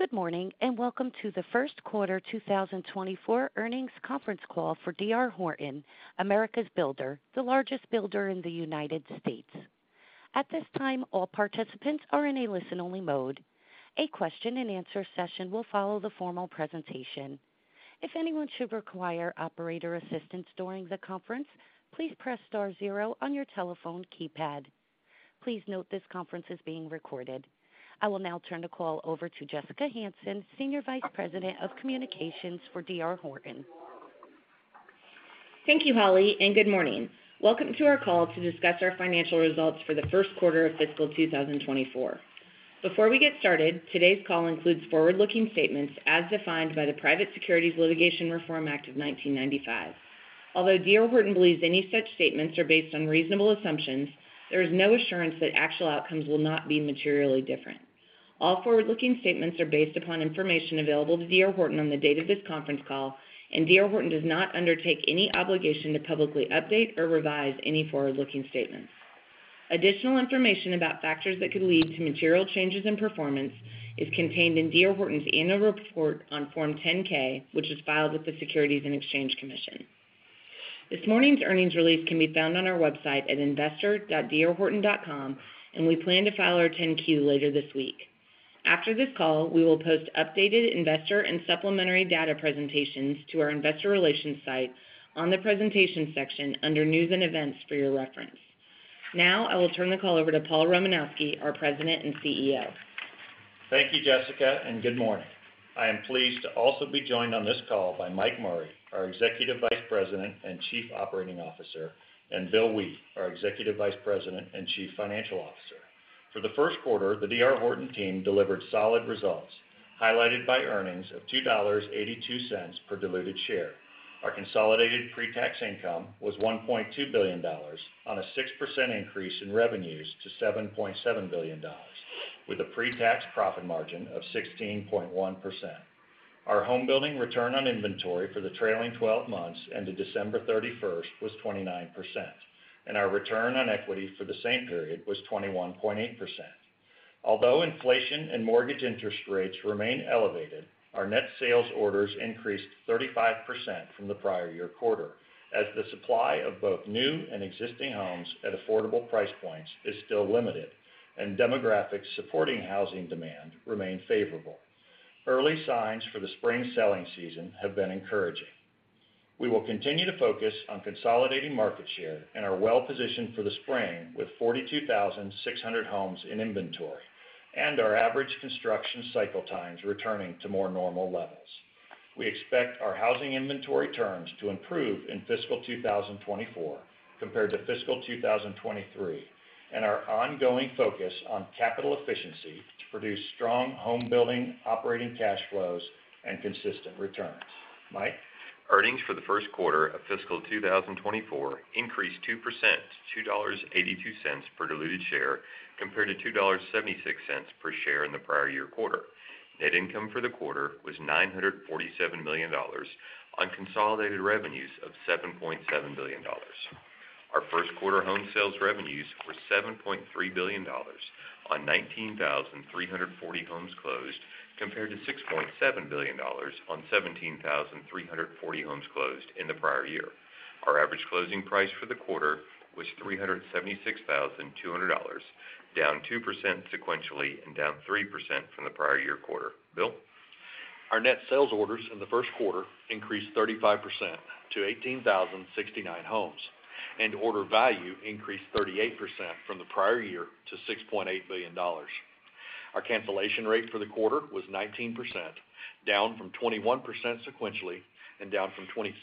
Good morning, and welcome to the first quarter 2024 earnings conference call for DR Horton, America's Builder, the largest builder in the United States. At this time, all participants are in a listen-only mode. A question-and-answer session will follow the formal presentation. If anyone should require operator assistance during the conference, please press star zero on your telephone keypad. Please note this conference is being recorded. I will now turn the call over to Jessica Hansen, Senior Vice President of Communications for DR Horton. Thank you, Holly, and good morning. Welcome to our call to discuss our financial results for the first quarter of fiscal 2024. Before we get started, today's call includes forward-looking statements as defined by the Private Securities Litigation Reform Act of 1995. Although DR Horton believes any such statements are based on reasonable assumptions, there is no assurance that actual outcomes will not be materially different. All forward-looking statements are based upon information available to DR Horton on the date of this conference call, and DR Horton does not undertake any obligation to publicly update or revise any forward-looking statements. Additional information about factors that could lead to material changes in performance is contained in DR Horton's annual report on Form 10-K, which is filed with the Securities and Exchange Commission. This morning's earnings release can be found on our website at investor.drhorton.com, and we plan to file our 10-Q later this week. After this call, we will post updated investor and supplementary data presentations to our investor relations site on the Presentation section under News and Events for your reference. Now, I will turn the call over to Paul Romanowski, our President and CEO. Thank you, Jessica, and good morning. I am pleased to also be joined on this call by Mike Murray, our Executive Vice President and Chief Operating Officer, and Bill Wheat, our Executive Vice President and Chief Financial Officer. For the first quarter, the DR Horton team delivered solid results, highlighted by earnings of $2.82 per diluted share. Our consolidated pre-tax income was $1.2 billion on a 6% increase in revenues to $7.7 billion, with a pre-tax profit margin of 16.1%. Our homebuilding return on inventory for the trailing 12 months ended December 31st was 29%, and our return on equity for the same period was 21.8%. Although inflation and mortgage interest rates remain elevated, our net sales orders increased 35% from the prior year quarter, as the supply of both new and existing homes at affordable price points is still limited, and demographics supporting housing demand remain favorable. Early signs for the spring selling season have been encouraging. We will continue to focus on consolidating market share and are well-positioned for the spring with 42,600 homes in inventory and our average construction cycle times returning to more normal levels. We expect our housing inventory terms to improve in fiscal 2024 compared to fiscal 2023, and our ongoing focus on capital efficiency to produce strong homebuilding operating cash flows and consistent returns. Mike? Earnings for the first quarter of fiscal 2024 increased 2% to $2.82 per diluted share, compared to $2.76 per share in the prior year quarter. Net income for the quarter was $947 million on consolidated revenues of $7.7 billion. Our first quarter home sales revenues were $7.3 billion on 19,340 homes closed, compared to $6.7 billion on 17,340 homes closed in the prior year. Our average closing price for the quarter was $376,200, down 2% sequentially and down 3% from the prior year quarter. Bill? Our net sales orders in the first quarter increased 35% to 18,069 homes, and order value increased 38% from the prior year to $6.8 billion. Our cancellation rate for the quarter was 19%, down from 21% sequentially and down from 27%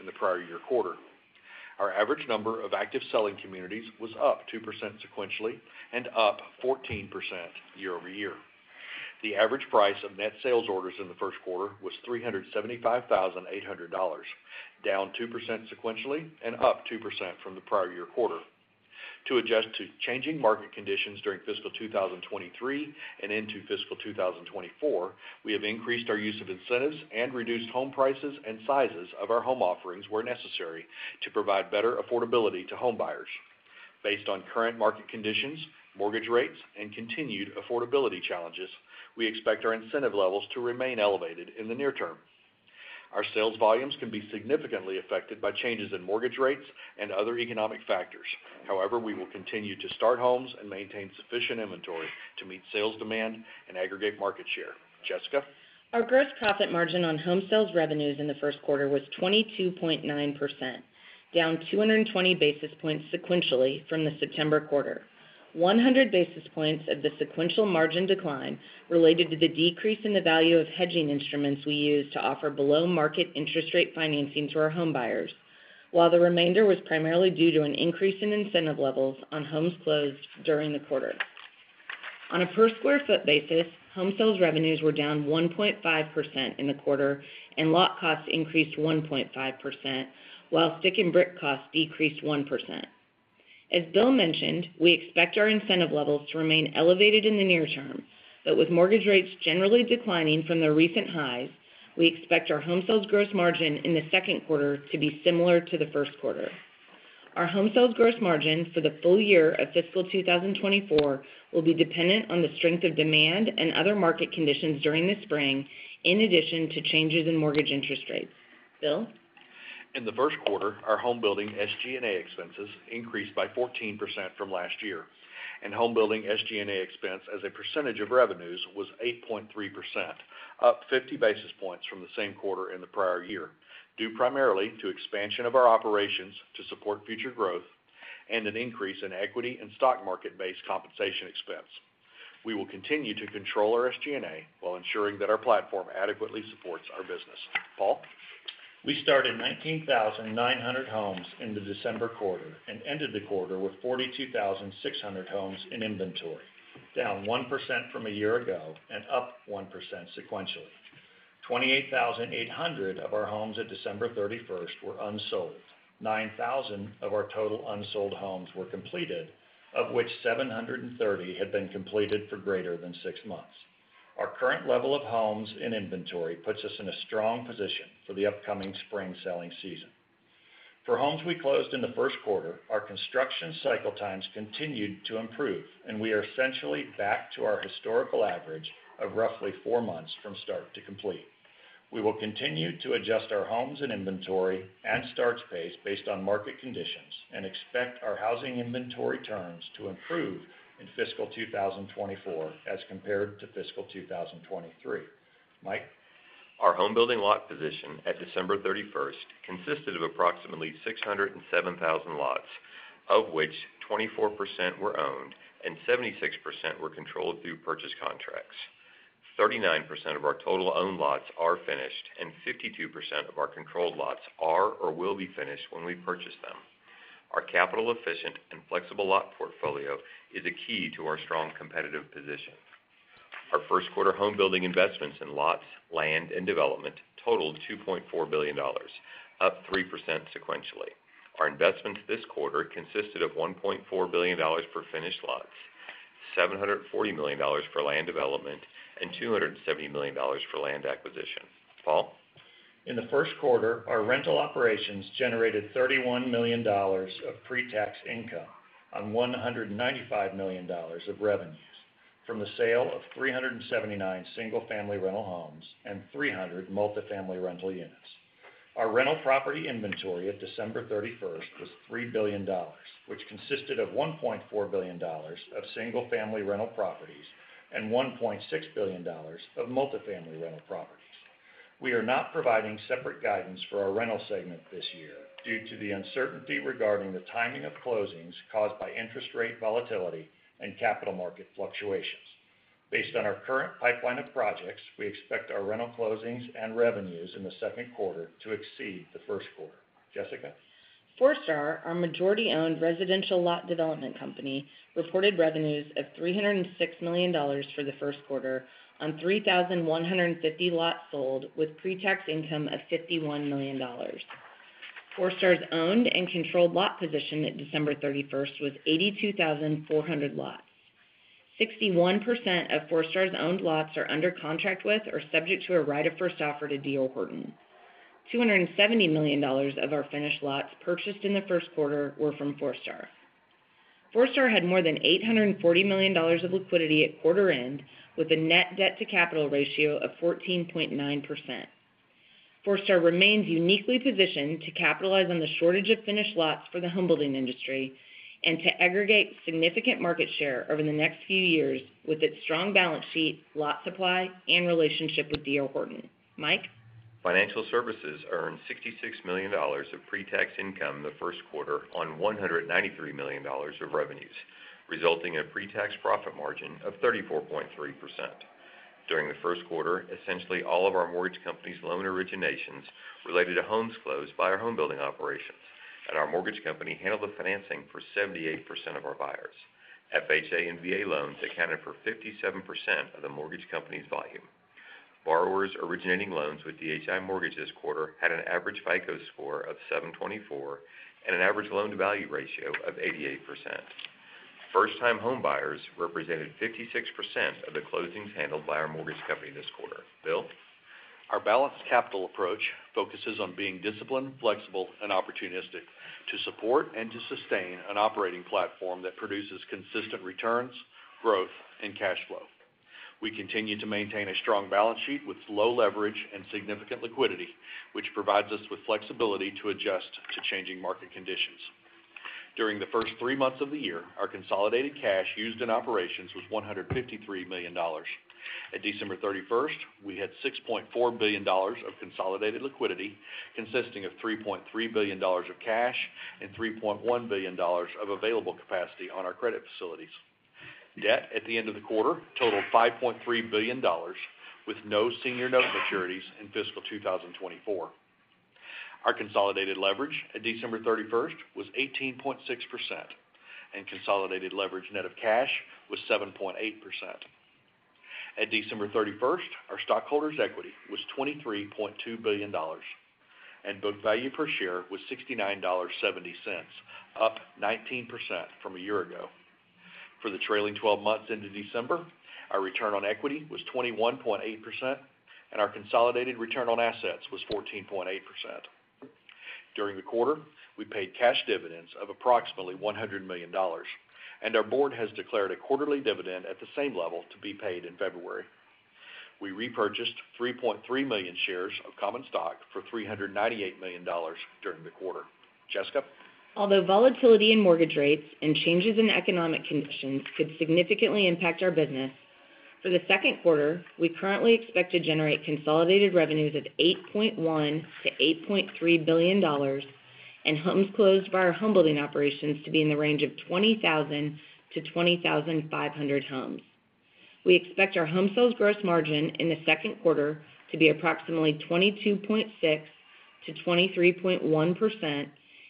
in the prior year quarter. Our average number of active selling communities was up 2% sequentially and up 14% year-over-year. The average price of net sales orders in the first quarter was $375,800, down 2% sequentially and up 2% from the prior year quarter. To adjust to changing market conditions during fiscal 2023 and into fiscal 2024, we have increased our use of incentives and reduced home prices and sizes of our home offerings where necessary to provide better affordability to home buyers. Based on current market conditions, mortgage rates, and continued affordability challenges, we expect our incentive levels to remain elevated in the near term. Our sales volumes can be significantly affected by changes in mortgage rates and other economic factors. However, we will continue to start homes and maintain sufficient inventory to meet sales demand and aggregate market share. Jessica? Our gross profit margin on home sales revenues in the first quarter was 22.9%, down 220 basis points sequentially from the September quarter, 100 basis points of the sequential margin decline related to the decrease in the value of hedging instruments we use to offer below-market interest rate financing to our home buyers, while the remainder was primarily due to an increase in incentive levels on homes closed during the quarter. On a per square foot basis, home sales revenues were down 1.5% in the quarter, and lot costs increased 1.5%, while stick and brick costs decreased 1%. As Bill mentioned, we expect our incentive levels to remain elevated in the near term, but with mortgage rates generally declining from their recent highs, we expect our home sales gross margin in the second quarter to be similar to the first quarter. Our home sales gross margin for the full year of fiscal 2024 will be dependent on the strength of demand and other market conditions during the spring, in addition to changes in mortgage interest rates. Bill? In the first quarter, our homebuilding SG&A expenses increased by 14% from last year, and homebuilding SG&A expense as a percentage of revenues was 8.3%, up 50 basis points from the same quarter in the prior year, due primarily to expansion of our operations to support future growth and an increase in equity and stock market-based compensation expense. We will continue to control our SG&A while ensuring that our platform adequately supports our business. Paul? We started 19,900 homes in the December quarter and ended the quarter with 42,600 homes in inventory, down 1% from a year ago and up 1% sequentially, 28,800 of our homes at December 31st were unsold, 9,000 of our total unsold homes were completed, of which 730 had been completed for greater than six months. Our current level of homes in inventory puts us in a strong position for the upcoming spring selling season. For homes we closed in the first quarter, our construction cycle times continued to improve, and we are essentially back to our historical average of roughly four months from start to complete. We will continue to adjust our homes and inventory and starts pace based on market conditions and expect our housing inventory turns to improve in fiscal 2024 as compared to fiscal 2023. Mike? Our homebuilding lot position at December 31st consisted of approximately 607,000 lots, of which 24% were owned and 76% were controlled through purchase contracts, 39% of our total owned lots are finished, and 52% of our controlled lots are or will be finished when we purchase them. Our capital efficient and flexible lot portfolio is a key to our strong competitive position. Our first quarter homebuilding investments in lots, land, and development totaled $2.4 billion, up 3% sequentially. Our investments this quarter consisted of $1.4 billion for finished lots, $740 million for land development, and $270 million for land acquisition. Paul? In the first quarter, our rental operations generated $31 million of pretax income on $195 million of revenues from the sale of 379 single-family rental homes and 300 multifamily rental units. Our rental property inventory at December 31st was $3 billion, which consisted of $1.4 billion of single-family rental properties and $1.6 billion of multifamily rental properties. We are not providing separate guidance for our rental segment this year due to the uncertainty regarding the timing of closings caused by interest rate volatility and capital market fluctuations. Based on our current pipeline of projects, we expect our rental closings and revenues in the second quarter to exceed the first quarter. Jessica? Forestar, our majority-owned residential lot development company, reported revenues of $306 million for the first quarter on 3,150 lots sold, with pretax income of $51 million. Forestar's owned and controlled lot position at December 31st was 82,400 lots, 61% of Forestar's owned lots are under contract with or subject to a right of first offer to DR Horton. $270 million of our finished lots purchased in the first quarter were from Forestar. Forestar had more than $840 million of liquidity at quarter end, with a net debt to capital ratio of 14.9%. Forestar remains uniquely positioned to capitalize on the shortage of finished lots for the homebuilding industry and to aggregate significant market share over the next few years with its strong balance sheet, lot supply, and relationship with DR Horton. Mike? Financial Services earned $66 million of pretax income in the first quarter on $193 million of revenues, resulting in a pretax profit margin of 34.3%. During the first quarter, essentially all of our mortgage company's loan originations related to homes closed by our homebuilding operations, and our mortgage company handled the financing for 78% of our buyers. FHA and VA loans accounted for 57% of the mortgage company's volume. Borrowers originating loans with DHI Mortgage this quarter had an average FICO score of 724 and an average loan-to-value ratio of 88%. First-time homebuyers represented 56% of the closings handled by our mortgage company this quarter. Bill? Our balanced capital approach focuses on being disciplined, flexible, and opportunistic to support and to sustain an operating platform that produces consistent returns, growth, and cash flow. We continue to maintain a strong balance sheet with low leverage and significant liquidity, which provides us with flexibility to adjust to changing market conditions. During the first three months of the year, our consolidated cash used in operations was $153 million. At December 31st, we had $6.4 billion of consolidated liquidity, consisting of $3.3 billion of cash and $3.1 billion of available capacity on our credit facilities. Debt at the end of the quarter totaled $5.3 billion, with no senior note maturities in fiscal 2024. Our consolidated leverage at December 31st was 18.6%, and consolidated leverage net of cash was 7.8%. At December 31st, our stockholders' equity was $23.2 billion, and book value per share was $69.70, up 19% from a year ago. For the trailing 12 months into December, our return on equity was 21.8%, and our consolidated return on assets was 14.8%. During the quarter, we paid cash dividends of approximately $100 million, and our board has declared a quarterly dividend at the same level to be paid in February. We repurchased 3.3 million shares of common stock for $398 million during the quarter. Jessica? Although volatility in mortgage rates and changes in economic conditions could significantly impact our business, for the second quarter, we currently expect to generate consolidated revenues of $8.1 billion-$8.3 billion, and homes closed by our homebuilding operations to be in the range of 20,000-20,500 homes. We expect our home sales gross margin in the second quarter to be approximately 22.6%-23.1%,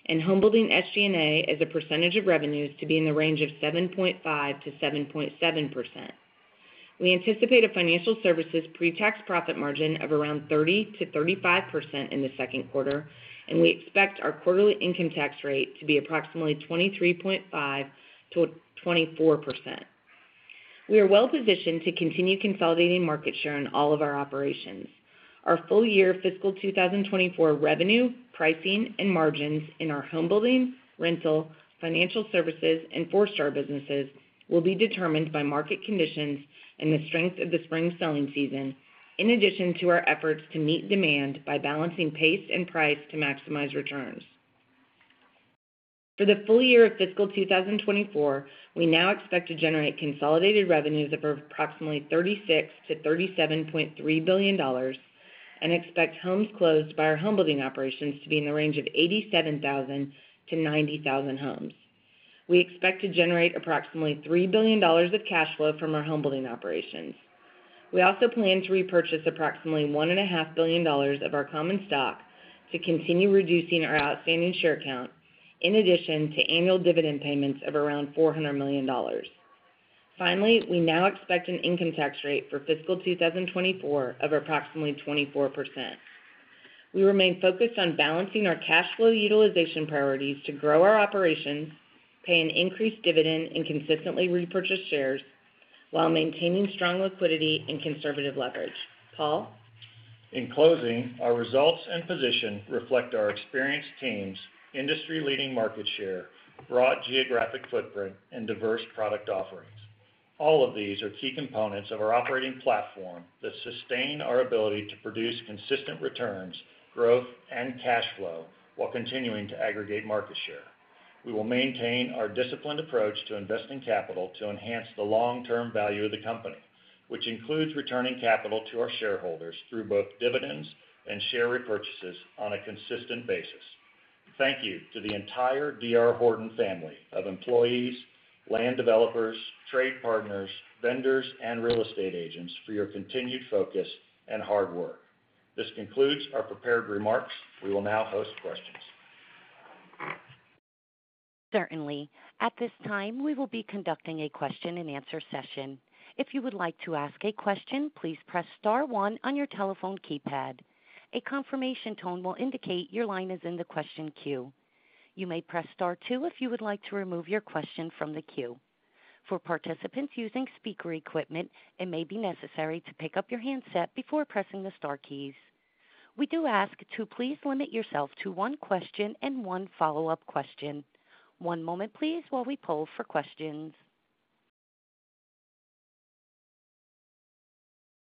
and homebuilding SG&A as a percentage of revenues to be in the range of 7.5%-7.7%. We anticipate a financial services pretax profit margin of around 30%-35% in the second quarter, and we expect our quarterly income tax rate to be approximately 23.5%-24%. We are well positioned to continue consolidating market share in all of our operations. Our full-year fiscal 2024 revenue, pricing, and margins in our homebuilding, rental, financial services, and Forestar businesses will be determined by market conditions and the strength of the spring selling season, in addition to our efforts to meet demand by balancing pace and price to maximize returns. For the full year of fiscal 2024, we now expect to generate consolidated revenues of approximately $36 billion-$37.3 billion and expect homes closed by our homebuilding operations to be in the range of 87,000-90,000 homes. We expect to generate approximately $3 billion of cash flow from our homebuilding operations. We also plan to repurchase approximately $1.5 billion of our common stock to continue reducing our outstanding share count, in addition to annual dividend payments of around $400 million. Finally, we now expect an income tax rate for fiscal 2024 of approximately 24%. We remain focused on balancing our cash flow utilization priorities to grow our operations, pay an increased dividend, and consistently repurchase shares, while maintaining strong liquidity and conservative leverage. Paul? In closing, our results and position reflect our experienced teams, industry-leading market share, broad geographic footprint, and diverse product offerings. All of these are key components of our operating platform that sustain our ability to produce consistent returns, growth, and cash flow while continuing to aggregate market share. We will maintain our disciplined approach to investing capital to enhance the long-term value of the company, which includes returning capital to our shareholders through both dividends and share repurchases on a consistent basis. Thank you to the entire DR Horton family of employees, land developers, trade partners, vendors, and real estate agents for your continued focus and hard work. This concludes our prepared remarks. We will now host questions. Certainly. At this time, we will be conducting a question-and-answer session. If you would like to ask a question, please press star one on your telephone keypad. A confirmation tone will indicate your line is in the question queue. You may press star two if you would like to remove your question from the queue. For participants using speaker equipment, it may be necessary to pick up your handset before pressing the star keys. We do ask to please limit yourself to one question and one follow-up question. One moment, please, while we poll for questions.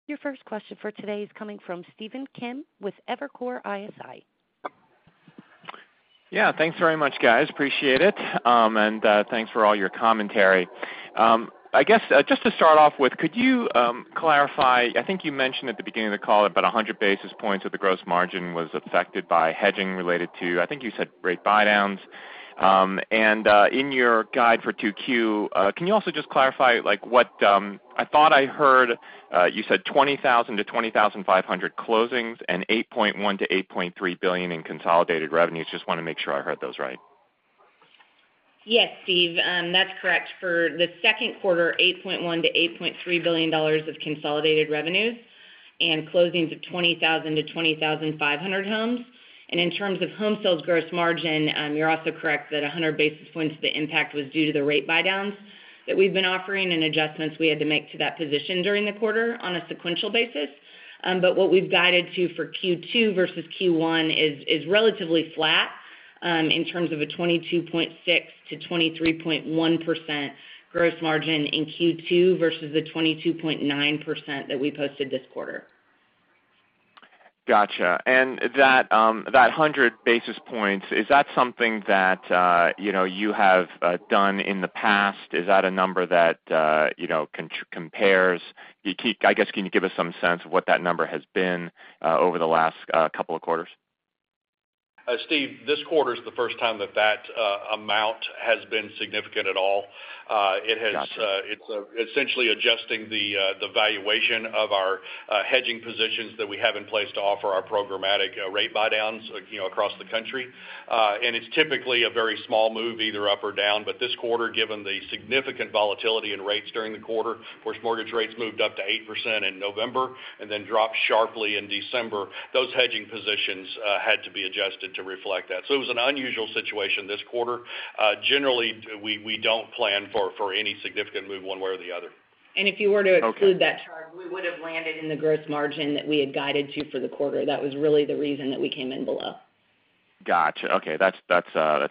Your first question for today is coming from Stephen Kim with Evercore ISI. Yeah, thanks very much, guys. Appreciate it, and, thanks for all your commentary. I guess, just to start off with, could you clarify? I think you mentioned at the beginning of the call about 100 basis points of the gross margin was affected by hedging related to, I think you said, rate buydowns. And, in your guide for 2Q, can you also just clarify, like I thought I heard, you said 20,000-20,500 closings and $8.1 billion-$8.3 billion in consolidated revenues. Just want to make sure I heard those right. Yes, Steve, that's correct. For the second quarter, $8.1 billion-$8.3 billion of consolidated revenues and closings of 20,000-20,500 homes. And in terms of home sales gross margin, you're also correct that 100 basis points, the impact was due to the rate buydowns that we've been offering and adjustments we had to make to that position during the quarter on a sequential basis. But what we've guided to for Q2 versus Q1 is relatively flat, in terms of a 22.6%-23.1% gross margin in Q2 versus the 22.9% that we posted this quarter. Gotcha. And that 100 basis points, is that something that you know you have done in the past? Is that a number that you know compares? I guess, can you give us some sense of what that number has been over the last couple of quarters? Steve, this quarter is the first time that that amount has been significant at all. Gotcha. It's essentially adjusting the valuation of our hedging positions that we have in place to offer our programmatic rate buydowns, you know, across the country. And it's typically a very small move, either up or down. But this quarter, given the significant volatility in rates during the quarter, of course, mortgage rates moved up to 8% in November and then dropped sharply in December, those hedging positions had to be adjusted to reflect that. So it was an unusual situation this quarter. Generally, we don't plan for any significant move one way or the other. If you were to include that charge, we would have landed in the gross margin that we had guided to for the quarter. That was really the reason that we came in below. Got you. Okay, that's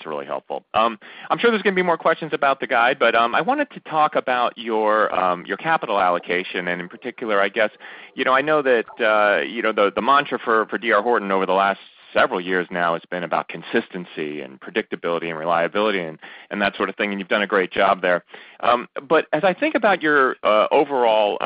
really helpful. I'm sure there's gonna be more questions about the guide, but, I wanted to talk about your capital allocation, and in particular, I guess, you know, I know that the mantra for DR Horton over the last several years now has been about consistency and predictability and reliability and that sort of thing, and you've done a great job there. But as I think about your, overall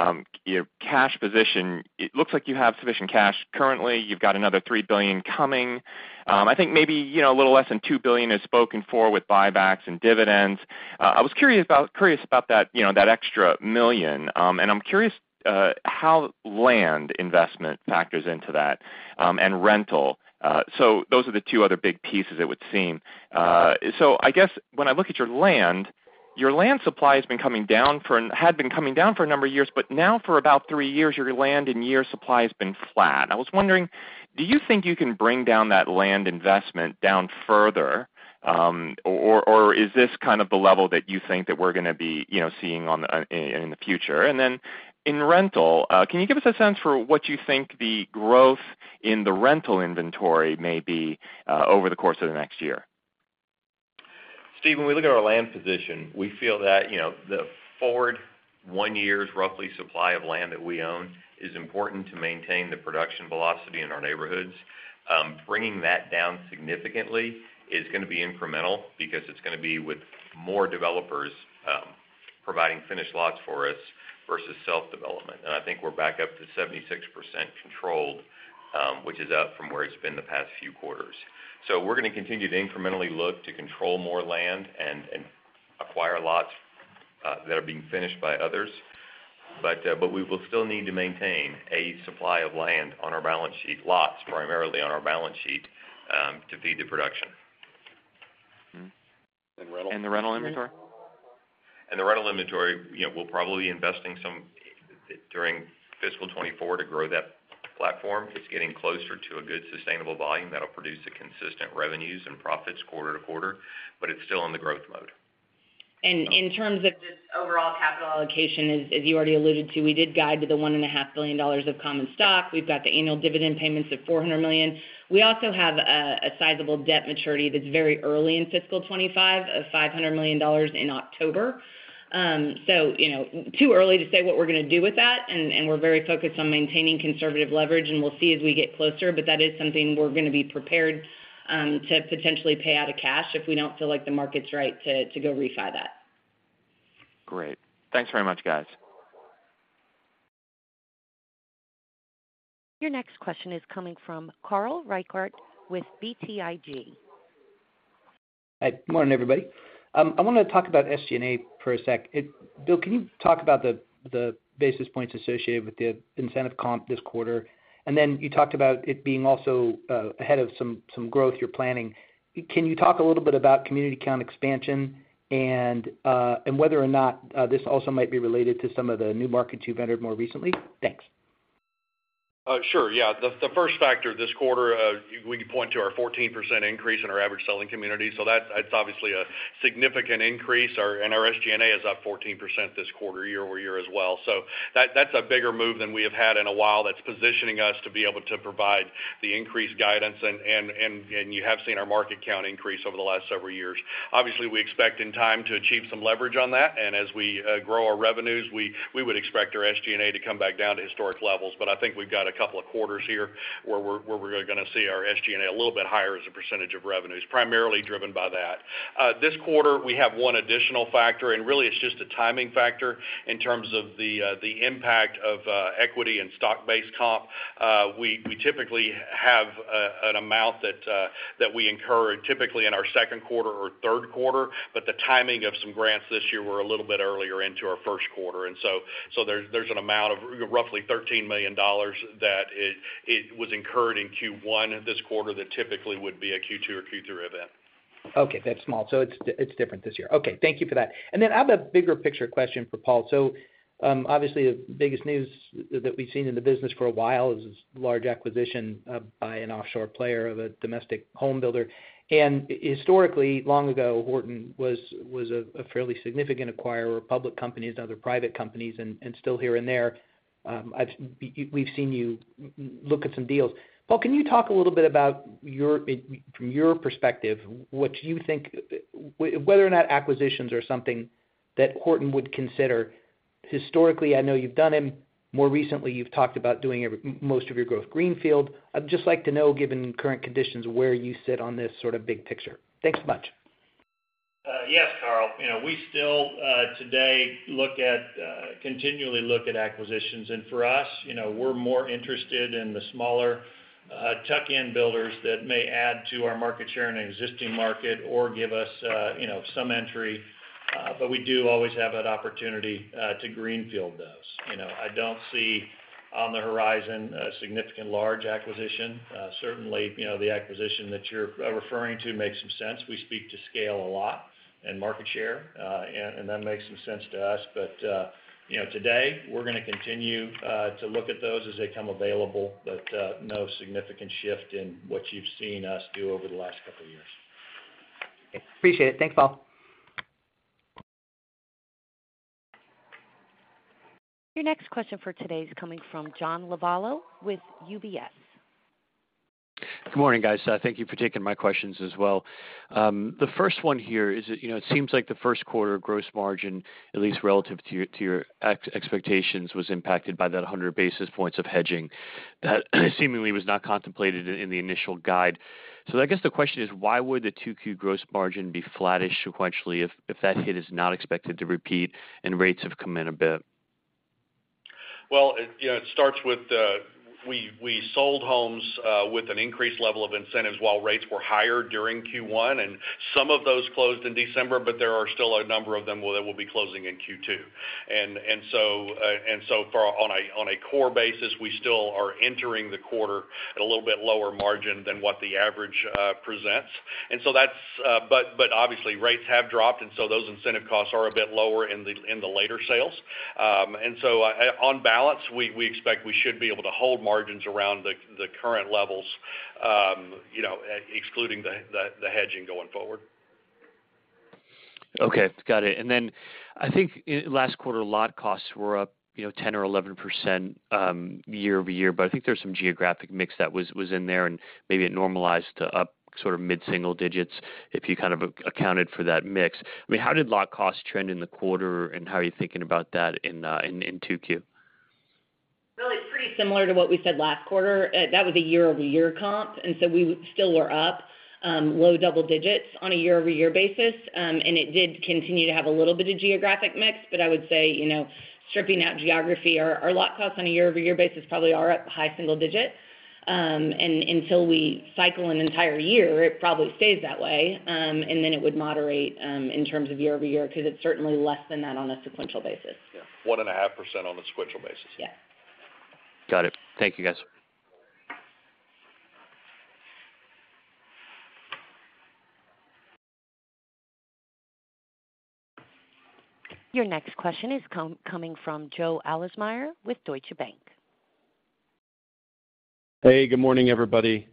cash position, it looks like you have sufficient cash currently. You've got another $3 billion coming. I think maybe, you know, a little less than $2 billion is spoken for with buybacks and dividends. I was curious about, curious about, you know, that extra $1 million, and I'm curious how land investment factors into that, and rental. So those are the two other big pieces it would seem. So I guess when I look at your land, your land supply had been coming down for a number of years, but now for about three years, your land and year supply has been flat. I was wondering, do you think you can bring down that land investment down further, or is this kind of the level that you think that we're gonna be, you know, seeing in the future? And then in rental, can you give us a sense for what you think the growth in the rental inventory may be over the course of the next year? Steve, when we look at our land position, we feel that, you know, the forward one year's roughly supply of land that we own is important to maintain the production velocity in our neighborhoods. Bringing that down significantly is gonna be incremental because it's gonna be with more developers providing finished lots for us versus self-development. And I think we're back up to 76% controlled, which is up from where it's been the past few quarters. So we're gonna continue to incrementally look to control more land and acquire lots that are being finished by others. But we will still need to maintain a supply of land on our balance sheet, lots, primarily on our balance sheet, to feed the production. The rental inventory? The rental inventory, you know, we'll probably be investing some during fiscal 2024 to grow that platform. It's getting closer to a good, sustainable volume that'll produce the consistent revenues and profits quarter to quarter, but it's still in the growth mode. In terms of just overall capital allocation, as you already alluded to, we did guide to the $1.5 billion of common stock. We've got the annual dividend payments of $400 million. We also have a sizable debt maturity that's very early in fiscal 2025 of $500 million in October. So, you know, too early to say what we're gonna do with that, and we're very focused on maintaining conservative leverage, and we'll see as we get closer, but that is something we're gonna be prepared to potentially pay out of cash if we don't feel like the market's right to go refi that. Great. Thanks very much, guys. Your next question is coming from Carl Reichardt with BTIG. Hi, good morning, everybody. I wanna talk about SG&A for a sec. Bill, can you talk about the basis points associated with the incentive comp this quarter? And then you talked about it being also ahead of some growth you're planning. Can you talk a little bit about community count expansion and whether or not this also might be related to some of the new markets you've entered more recently? Thanks. Sure. Yeah. The first factor this quarter, we can point to our 14% increase in our average selling community, so that's obviously a significant increase, and our SG&A is up 14% this quarter, year-over-year as well. So that's a bigger move than we have had in a while that's positioning us to be able to provide the increased guidance, and you have seen our market count increase over the last several years. Obviously, we expect in time to achieve some leverage on that, and as we grow our revenues, we would expect our SG&A to come back down to historic levels. But I think we've got a couple of quarters here where we're gonna see our SG&A a little bit higher as a percentage of revenues, primarily driven by that. This quarter, we have one additional factor, and really it's just a timing factor in terms of the impact of, equity and stock-based comp. We typically have an amount that, that we incur typically in our second quarter or third quarter, but the timing of some grants this year were a little bit earlier into our first quarter. And so there's, there's an amount of roughly $13 million that was incurred in Q1, this quarter that typically would be a Q2 or Q3 event. Okay, that's small. So it's different this year. Okay, thank you for that. And then I have a bigger picture question for Paul. So, obviously, the biggest news that we've seen in the business for a while is this large acquisition by an offshore player of a domestic home builder. And historically, long ago, Horton was a fairly significant acquirer of public companies and other private companies, and still here and there, we've seen you look at some deals. Paul, can you talk a little bit about your, from your perspective, what you think, whether or not acquisitions are something that Horton would consider? Historically, I know you've done them. More recently, you've talked about doing your most of your growth greenfield. I'd just like to know, given current conditions, where you sit on this sort of big picture. Thanks a bunch. Yes, Carl. You know, we still today continually look at acquisitions. And for us, you know, we're more interested in the smaller tuck-in builders that may add to our market share in an existing market or give us, you know, some entry, but we do always have that opportunity to greenfield those. You know, I don't see on the horizon a significant large acquisition. Certainly, you know, the acquisition that you're referring to makes some sense. We speak to scale a lot and market share, and that makes some sense to us. But, you know, today, we're gonna continue to look at those as they come available, but no significant shift in what you've seen us do over the last couple of years. Appreciate it. Thanks, Paul. Your next question for today is coming from John Lovallo with UBS. Good morning, guys. Thank you for taking my questions as well. The first one here is that, you know, it seems like the first quarter gross margin, at least relative to your expectations, was impacted by that 100 basis points of hedging. That seemingly was not contemplated in the initial guide. I guess the question is, why would the 2Q gross margin be flattish sequentially if that hit is not expected to repeat and rates have come in a bit? Well, you know, it starts with we sold homes with an increased level of incentives while rates were higher during Q1, and some of those closed in December, but there are still a number of them that will be closing in Q2. And so, on a core basis, we still are entering the quarter at a little bit lower margin than what the average presents. But obviously, rates have dropped, and so those incentive costs are a bit lower in the later sales. And so, on balance, we expect we should be able to hold margins around the current levels, you know, excluding the hedging going forward. Okay, got it. And then, I think last quarter, lot costs were up, you know, 10% or 11%, year-over-year, but I think there's some geographic mix that was in there, and maybe it normalized to up sort of mid-single digits, if you kind of accounted for that mix. I mean, how did lot costs trend in the quarter, and how are you thinking about that in 2Q? Well, it's pretty similar to what we said last quarter. That was a year-over-year comp, and so we still were up low double digits on a year-over-year basis. And it did continue to have a little bit of geographic mix, but I would say, you know, stripping out geography, our lot costs on a year-over-year basis probably are up high single digits. And until we cycle an entire year, it probably stays that way, and then it would moderate in terms of year-over-year, because it's certainly less than that on a sequential basis. Yeah, 1.5% on a sequential basis. Yeah. Got it. Thank you, guys. Your next question is coming from Joe Ahlersmeyer with Deutsche Bank. Hey, good morning, everybody.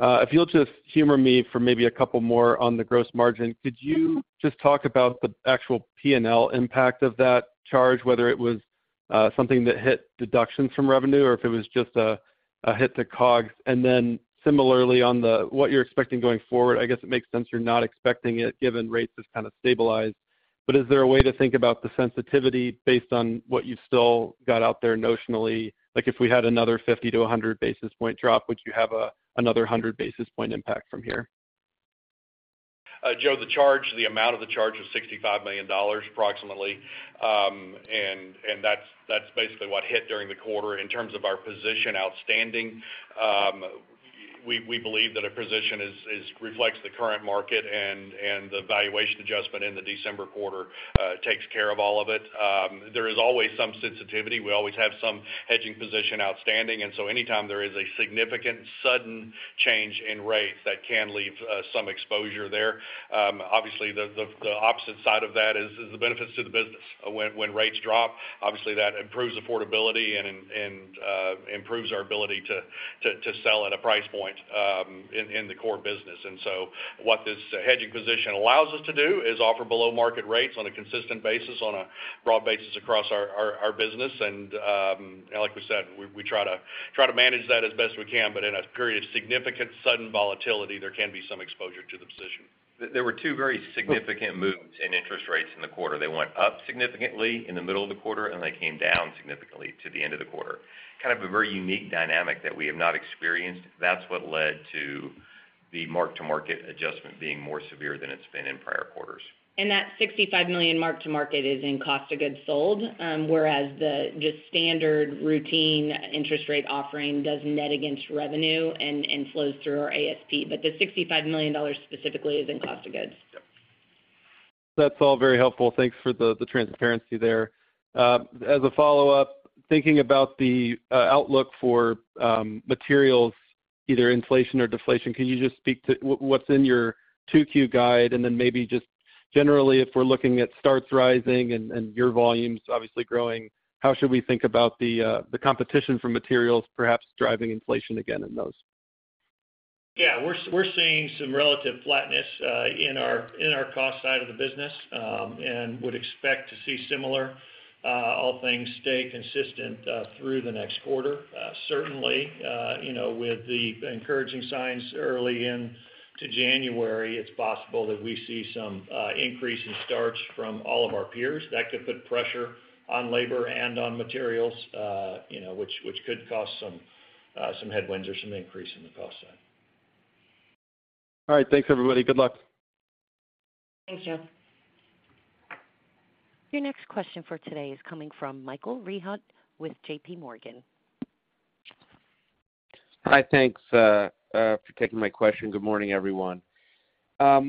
If you'll just humor me for maybe a couple more on the gross margin, could you just talk about the actual P&L impact of that charge, whether it was something that hit deductions from revenue, or if it was just a hit to COGS? And then similarly, on the what you're expecting going forward, I guess it makes sense you're not expecting it, given rates have kind of stabilized. But is there a way to think about the sensitivity based on what you've still got out there notionally? Like, if we had another 50 basis point to 100-basis-point drop, would you have another 100-basis-point impact from here? Joe, the charge, the amount of the charge was $65 million, approximately. And that's basically what hit during the quarter. In terms of our position outstanding, we believe that our position reflects the current market and the valuation adjustment in the December quarter takes care of all of it. There is always some sensitivity. We always have some hedging position outstanding, and so anytime there is a significant sudden change in rates, that can leave some exposure there. Obviously, the opposite side of that is the benefits to the business. When rates drop, obviously that improves affordability and improves our ability to sell at a price point in the core business. What this hedging position allows us to do is offer below-market rates on a consistent basis, on a broad basis across our business. Like we said, we try to manage that as best we can, but in a period of significant sudden volatility, there can be some exposure to the position. There were two very significant moves in interest rates in the quarter. They went up significantly in the middle of the quarter, and they came down significantly to the end of the quarter. Kind of a very unique dynamic that we have not experienced. That's what led to the mark-to-market adjustment being more severe than it's been in prior quarters. That $65 million mark-to-market is in cost of goods sold, whereas the just standard routine interest rate offering does net against revenue and flows through our ASP. But the $65 million specifically is in cost of goods sold. That's all very helpful. Thanks for the, the transparency there. As a follow-up, thinking about the outlook for materials, either inflation or deflation, can you just speak to what's in your 2Q guide, and then maybe just generally, if we're looking at starts rising and your volume's obviously growing, how should we think about the the competition for materials perhaps driving inflation again in those? Yeah, we're seeing some relative flatness in our cost side of the business, and would expect to see similar, all things stay consistent, through the next quarter. Certainly, you know, with the encouraging signs early in to January, it's possible that we see some increase in starts from all of our peers. That could put pressure on labor and on materials, you know, which could cause some headwinds or some increase in the cost side. All right. Thanks, everybody. Good luck. Thank you. Your next question for today is coming from Michael Rehaut with JPMorgan. Hi, thanks for taking my question. Good morning, everyone. I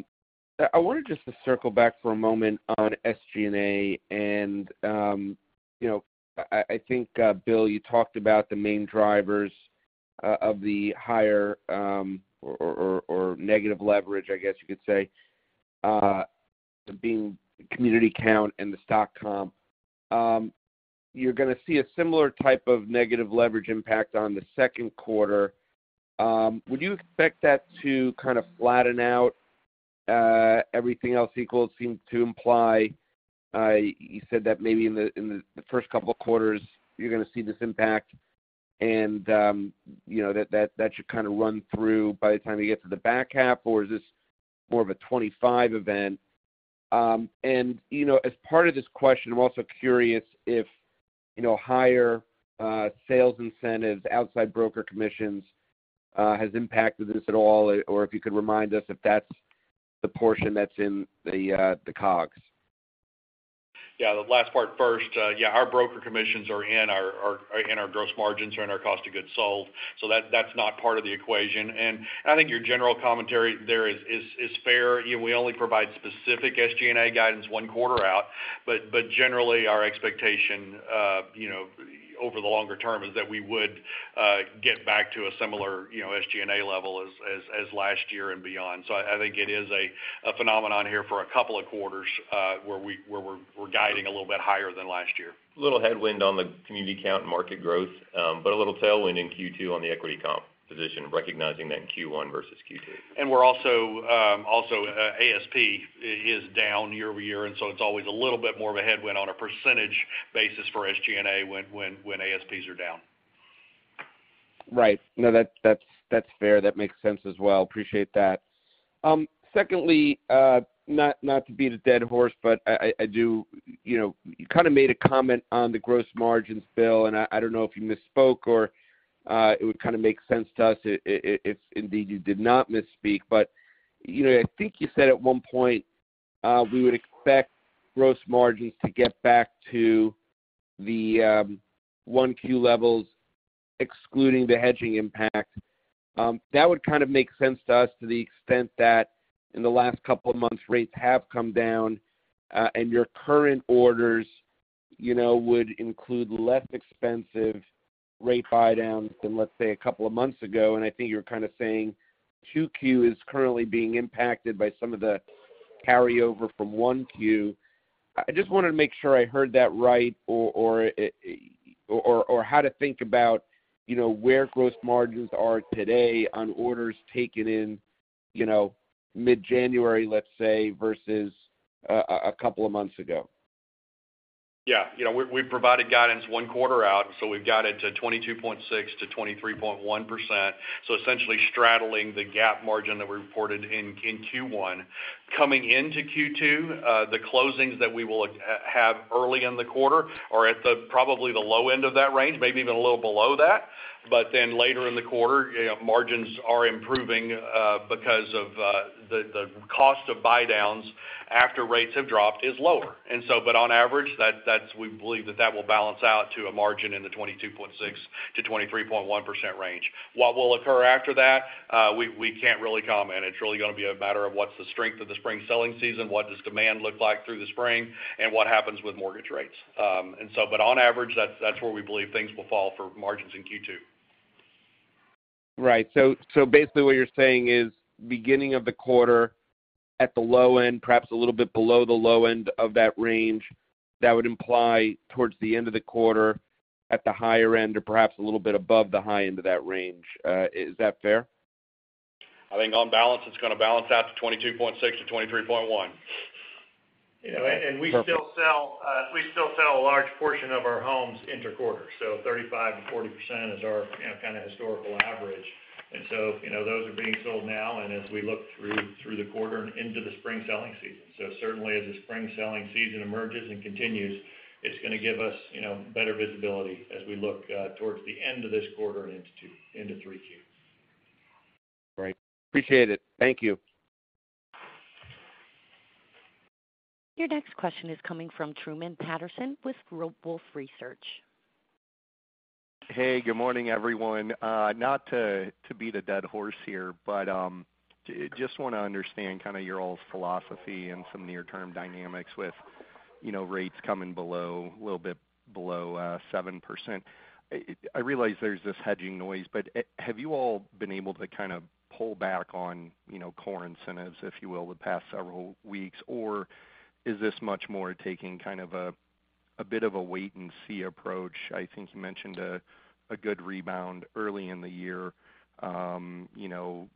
wanted just to circle back for a moment on SG&A, and, you know, I think, Bill, you talked about the main drivers of the higher, or negative leverage, I guess you could say, being community count and the stock comp. You're going to see a similar type of negative leverage impact on the second quarter. Would you expect that to kind of flatten out, everything else equal? Seem to imply, you said that maybe in the first couple of quarters, you're going to see this impact, and, you know, that should kind of run through by the time you get to the back half, or is this more of a 2025 event? And, you know, as part of this question, I'm also curious if, you know, higher sales incentives outside broker commissions has impacted this at all, or if you could remind us if that's the portion that's in the COGS. Yeah, the last part first. Yeah, our broker commissions are in our gross margins, are in our cost of goods sold, so that's not part of the equation. And I think your general commentary there is fair. You know, we only provide specific SG&A guidance one quarter out, but generally, our expectation, you know, over the longer term is that we would get back to a similar, you know, SG&A level as last year and beyond. So I think it is a phenomenon here for a couple of quarters, where we're guiding a little bit higher than last year. Little headwind on the community count market growth, but a little tailwind in Q2 on the equity comp position, recognizing that in Q1 versus Q2. And we're also ASP is down year-over-year, and so it's always a little bit more of a headwind on a percentage basis for SG&A when ASPs are down. Right. No, that's fair. That makes sense as well. Appreciate that. Second, not to beat a dead horse, but I do.. You know, you kind of made a comment on the gross margins, Bill, and I don't know if you misspoke or it would kind of make sense to us if indeed you did not misspeak. But, you know, I think you said at one point we would expect gross margins to get back to the 1Q levels, excluding the hedging impact. That would kind of make sense to us to the extent that in the last couple of months, rates have come down and your current orders, you know, would include less expensive rate buydowns than, let's say, a couple of months ago. I think you were kind of saying 2Q is currently being impacted by some of the carryover from 1Q. I just wanted to make sure I heard that right, or how to think about, you know, where gross margins are today on orders taken in, you know, mid-January, let's say, versus a couple of months ago. Yeah. You know, we provided guidance one quarter out, so we guided to 22.6%-23.1%. So essentially straddling the gap margin that we reported in Q1. Coming into Q2, the closings that we will have early in the quarter are at the probably the low end of that range, maybe even a little below that. But then later in the quarter, you know, margins are improving because of the cost of buydowns after rates have dropped is lower. And so, but on average, that's we believe that that will balance out to a margin in the 22.6%-23.1% range. What will occur after that? We can't really comment. It's really going to be a matter of what's the strength of the spring selling season, what does demand look like through the spring, and what happens with mortgage rates. And so, but on average, that's where we believe things will fall for margins in Q2. Right. So, so basically what you're saying is, beginning of the quarter at the low end, perhaps a little bit below the low end of that range, that would imply towards the end of the quarter at the higher end, or perhaps a little bit above the high end of that range. Is that fair? I think on balance, it's going to balance out to 22.6%-23.1%. You know, and we still sell, we still sell a large portion of our homes intra-quarter, so 35%-40% is our, you know, kind of historical average. And so, you know, those are being sold now and as we look through, through the quarter and into the spring selling season. So certainly, as the spring selling season emerges and continues, it's going to give us, you know, better visibility as we look, towards the end of this quarter and into 3Q. Great. Appreciate it. Thank you. Your next question is coming from Truman Patterson with Wolfe Research. Hey, good morning, everyone. Not to beat a dead horse here, but just want to understand kind of your all's philosophy and some near-term dynamics with, you know, rates coming below a little bit below 7%. I realize there's this hedging noise, but have you all been able to kind of pull back on, you know, core incentives, if you will, the past several weeks, or is this much more taking kind of a bit of a wait and see approach? I think you mentioned a good rebound early in the year. You know,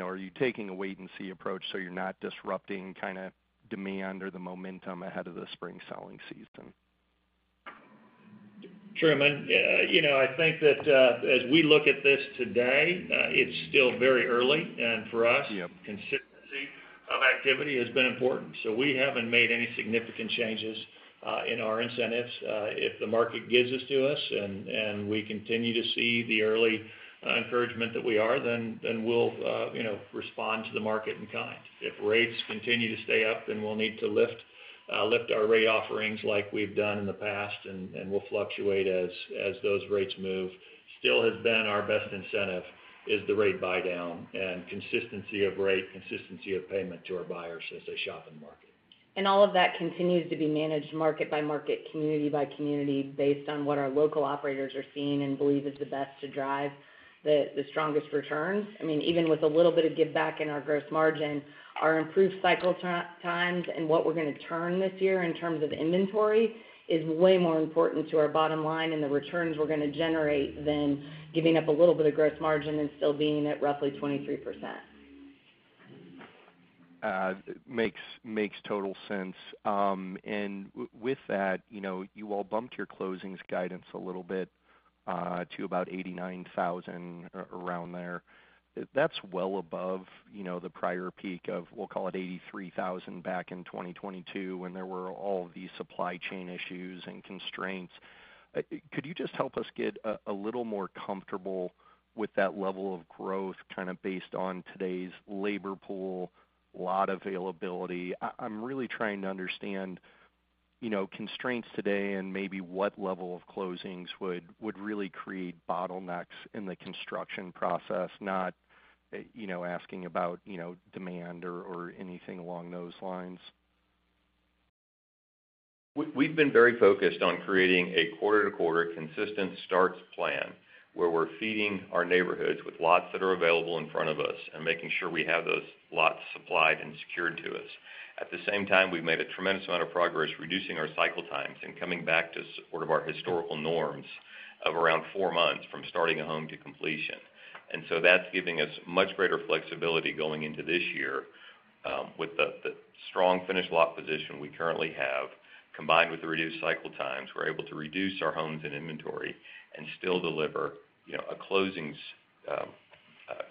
are you taking a wait and see approach, so you're not disrupting kind of demand or the momentum ahead of the spring selling season? Truman, you know, I think that as we look at this today, it's still very early. Yep. And for us, consistency of activity has been important, so we haven't made any significant changes in our incentives. If the market gives this to us, and we continue to see the early encouragement that we are, then we'll, you know, respond to the market in kind. If rates continue to stay up, then we'll need to lift our rate offerings like we've done in the past, and we'll fluctuate as those rates move. Still has been our best incentive is the rate buydown and consistency of rate, consistency of payment to our buyers as they shop and market. And all of that continues to be managed market by market, community by community, based on what our local operators are seeing and believe is the best to drive the strongest returns. I mean, even with a little bit of give back in our gross margin, our improved cycle times, and what we're going to turn this year in terms of inventory, is way more important to our bottom line and the returns we're going to generate than giving up a little bit of gross margin and still being at roughly 23%. Makes total sense. With that, you know, you all bumped your closings guidance a little bit to about 89,000, around there. That's well above, you know, the prior peak of, we'll call it, 83,000 back in 2022, when there were all of these supply chain issues and constraints. Could you just help us get a little more comfortable with that level of growth, kind of based on today's labor pool, lot availability? I'm really trying to understand, you know, constraints today, and maybe what level of closings would really create bottlenecks in the construction process, not, you know, asking about, demand or anything along those lines. We've been very focused on creating a quarter-to-quarter consistent starts plan, where we're feeding our neighborhoods with lots that are available in front of us, and making sure we have those lots supplied and secured to us. At the same time, we've made a tremendous amount of progress reducing our cycle times and coming back to sort of our historical norms of around four months from starting a home to completion. And so that's giving us much greater flexibility going into this year. With the strong finished lot position we currently have, combined with the reduced cycle times, we're able to reduce our homes in inventory and still deliver, you know, a closings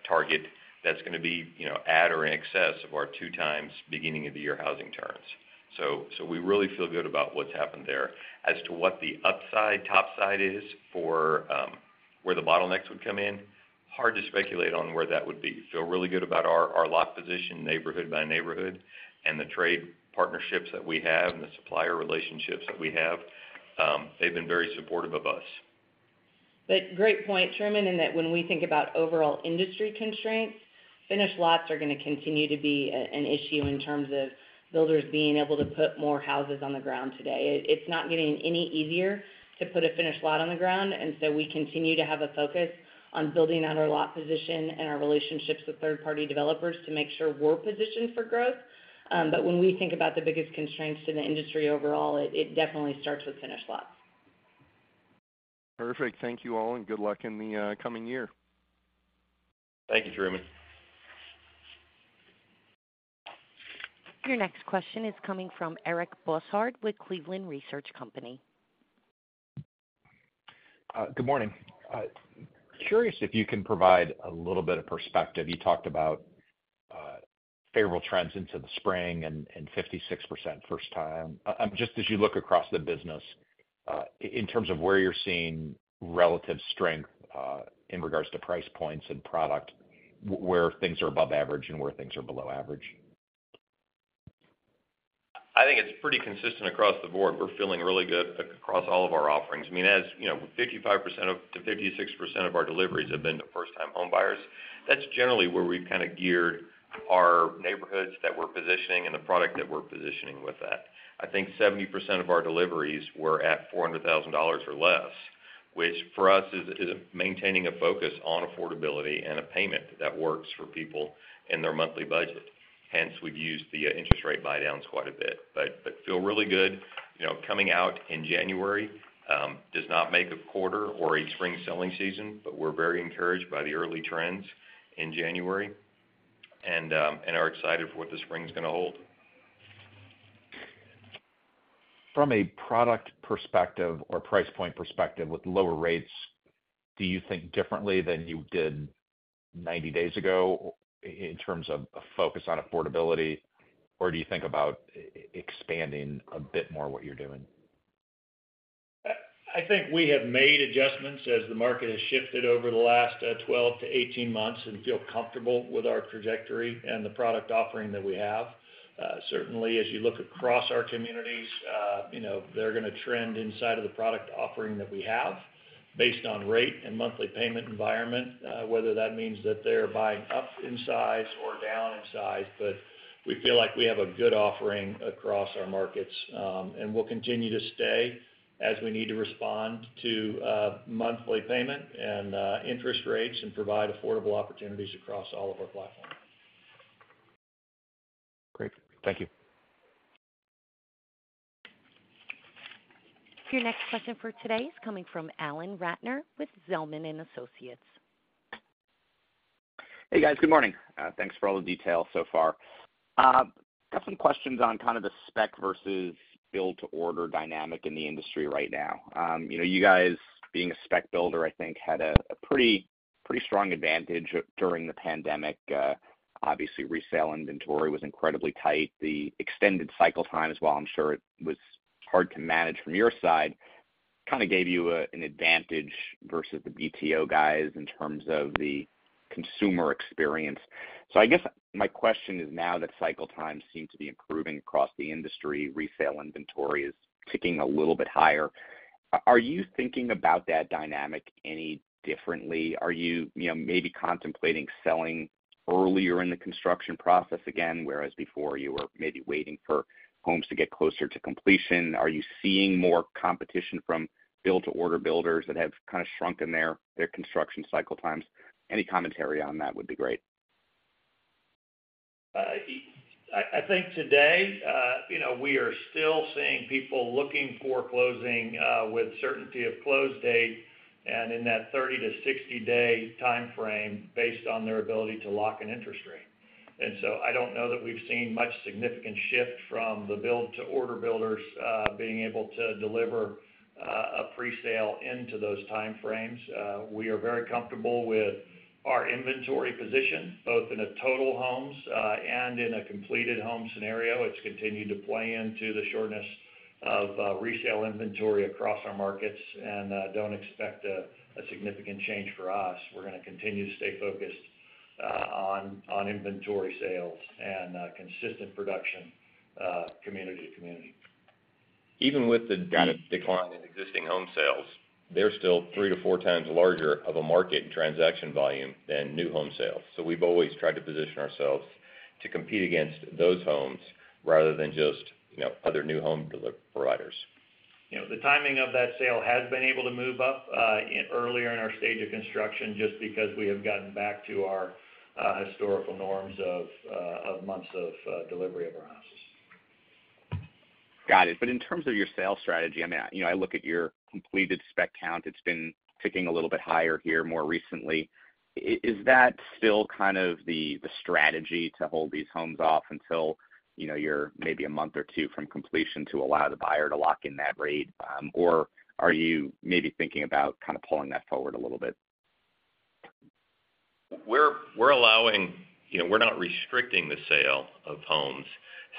target that's going to be, you know, at or in excess of our two times beginning of the year housing turns. So we really feel good about what's happened there. As to what the upside, top side is for where the bottlenecks would come in, hard to speculate on where that would be. Feel really good about our lot position, neighborhood by neighborhood, and the trade partnerships that we have, and the supplier relationships that we have. They've been very supportive of us. But great point, Truman, in that when we think about overall industry constraints, finished lots are going to continue to be an issue in terms of builders being able to put more houses on the ground today. It's not getting any easier to put a finished lot on the ground, and so we continue to have a focus on building out our lot position and our relationships with third-party developers to make sure we're positioned for growth. But when we think about the biggest constraints in the industry overall, it definitely starts with finished lots. Perfect. Thank you, all, and good luck in the coming year. Thank you, Truman. Your next question is coming from Eric Bosshard with Cleveland Research Company. Good morning. Curious if you can provide a little bit of perspective. You talked about favorable trends into the spring and 56% first time. Just as you look across the business, in terms of where you're seeing relative strength, in regards to price points and product, where things are above average and where things are below average? I think it's pretty consistent across the board. We're feeling really good across all of our offerings. I mean, as you know, 55%-56% of our deliveries have been to first-time homebuyers. That's generally where we've kind of geared our neighborhoods that we're positioning and the product that we're positioning with that. I think 70% of our deliveries were at $400,000 or less, which, for us, is maintaining a focus on affordability and a payment that works for people in their monthly budget. Hence, we've used the interest rate buydowns quite a bit. But feel really good. You know, coming out in January does not make a quarter or a spring selling season, but we're very encouraged by the early trends in January, and are excited for what the spring's going to hold. From a product perspective or price point perspective, with lower rates, do you think differently than you did 90 days ago in terms of a focus on affordability, or do you think about expanding a bit more what you're doing? I think we have made adjustments as the market has shifted over the last 12 months-18 months, and feel comfortable with our trajectory and the product offering that we have. Certainly, as you look across our communities, you know, they're going to trend inside of the product offering that we have, based on rate and monthly payment environment, whether that means that they're buying up in size or down in size. But we feel like we have a good offering across our markets, and we'll continue to stay as we need to respond to monthly payment and interest rates, and provide affordable opportunities across all of our platforms. Great. Thank you. Your next question for today is coming from Alan Ratner with Zelman and Associates. Hey, guys. Good morning. Thanks for all the details so far. Got some questions on kind of the spec versus build-to-order dynamic in the industry right now. You know, you guys, being a spec builder, I think had a pretty strong advantage during the pandemic. Obviously, resale inventory was incredibly tight. The extended cycle times, while I'm sure it was hard to manage from your side, kind of gave you an advantage versus the BTO guys in terms of the consumer experience. So I guess my question is, now that cycle times seem to be improving across the industry, resale inventory is ticking a little bit higher. Are you thinking about that dynamic any differently? Are you, you know, maybe contemplating selling earlier in the construction process again, whereas before you were maybe waiting for homes to get closer to completion? Are you seeing more competition from build-to-order builders that have kind of shrunken their construction cycle times? Any commentary on that would be great. I think today, you know, we are still seeing people looking for closing with certainty of close date and in that 30 day-60-day time frame based on their ability to lock an interest rate. And so I don't know that we've seen much significant shift from the build-to-order builders being able to deliver a presale into those time frames. We are very comfortable with our inventory position, both in a total homes and in a completed home scenario. It's continued to play into the shortness of resale inventory across our markets, and don't expect a significant change for us. We're going to continue to stay focused on inventory sales and consistent production, community to community. Even with the decline in existing home sales, they're still 3x-4x larger of a market in transaction volume than new home sales. So we've always tried to position ourselves to compete against those homes rather than just, you know, other new home providers. You know, the timing of that sale has been able to move up in earlier in our stage of construction, just because we have gotten back to our historical norms of months of delivery of our houses. Got it. But in terms of your sales strategy, I mean, you know, I look at your completed spec count, it's been ticking a little bit higher here more recently. Is that still kind of the strategy to hold these homes off until, you know, you're maybe a month or two from completion to allow the buyer to lock in that rate? Or are you maybe thinking about kind of pulling that forward a little bit? We're allowing. You know, we're not restricting the sale of homes.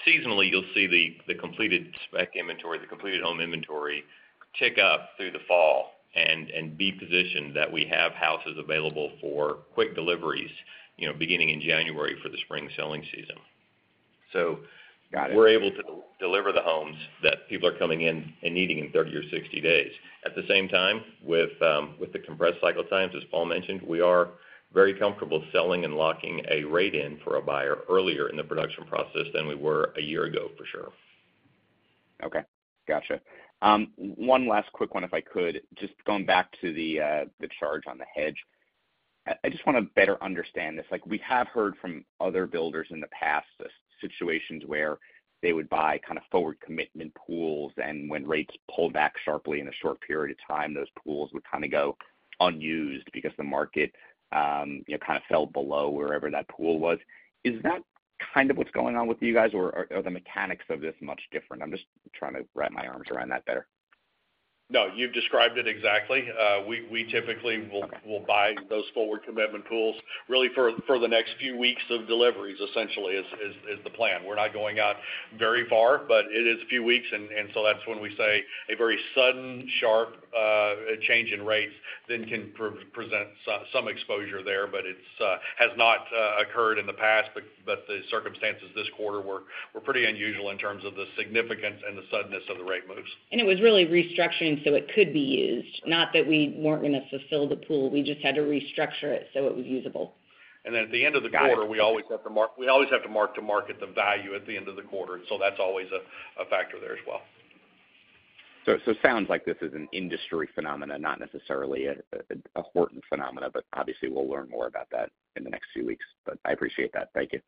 Seasonally, you'll see the completed spec inventory, the completed home inventory, tick up through the fall and be positioned that we have houses available for quick deliveries, you know, beginning in January for the spring selling season. Got it. We're able to deliver the homes that people are coming in and needing in 30 or 60 days. At the same time, with, with the compressed cycle times, as Paul mentioned, we are very comfortable selling and locking a rate in for a buyer earlier in the production process than we were a year ago, for sure. Okay, gotcha. One last quick one, if I could. Just going back to the charge on the hedge. I just want to better understand this. Like, we have heard from other builders in the past, the situations where they would buy kind of forward commitment pools, and when rates pulled back sharply in a short period of time, those pools would kind of go unused because the market, you know, kind of fell below wherever that pool was. Is that kind of what's going on with you guys, or are the mechanics of this much different? I'm just trying to wrap my arms around that better. No, you've described it exactly. We typically will buy those forward commitment pools really for the next few weeks of deliveries, essentially, is the plan. We're not going out very far, but it is a few weeks, and so that's when we say a very sudden, sharp change in rates then can present some exposure there, but it has not occurred in the past. But the circumstances this quarter were pretty unusual in terms of the significance and the suddenness of the rate moves. It was really restructuring so it could be used, not that we weren't going to fulfill the pool. We just had to restructure it so it was usable. And at the end of the quarter- Got it. We always have to mark-to-market the value at the end of the quarter, so that's always a factor there as well. So it sounds like this is an industry phenomenon, not necessarily a Horton phenomenon, but obviously, we'll learn more about that in the next few weeks. But I appreciate that. Thank you.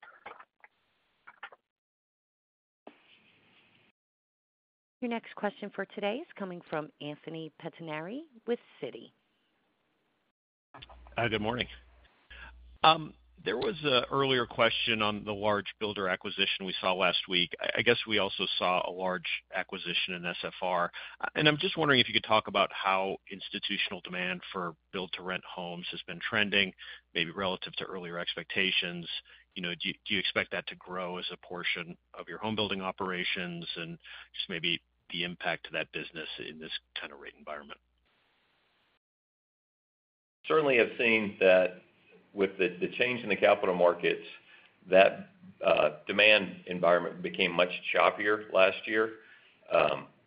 Your next question for today is coming from Anthony Pettinari with Citi. Good morning. There was an earlier question on the large builder acquisition we saw last week. I guess we also saw a large acquisition in SFR. And I'm just wondering if you could talk about how institutional demand for build-to-rent homes has been trending, maybe relative to earlier expectations. You know, do you expect that to grow as a portion of your homebuilding operations? And just maybe the impact to that business in this kind of rate environment. Certainly have seen that with the change in the capital markets, that demand environment became much choppier last year.